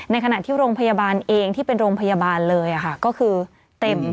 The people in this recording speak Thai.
ในขณะที่โรงพยาบาลเองที่เป็นโรงพยาบาลเลยก็คือเต็ม